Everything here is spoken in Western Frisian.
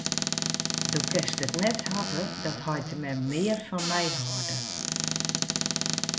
Do kinst it net hawwe dat heit en mem mear fan my hâlde.